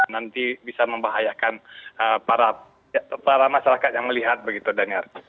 nanti bisa membahayakan para masyarakat yang melihat begitu daniar